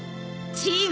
チーム？